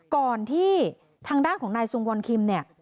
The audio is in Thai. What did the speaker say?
ก่อนที่ทางด้านของนายศูนย์วันคิม